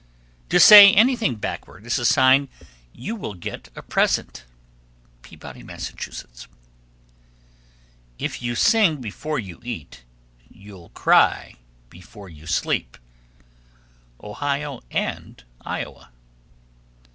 To say anything backward is a sign you will get a present. Peabody, Mass. 1315. If you sing before you eat, You'll cry before you sleep. _Ohio and Iowa.